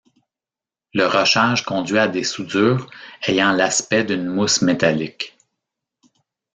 Le rochage conduit à des soudures ayant l'aspect d'une mousse métallique.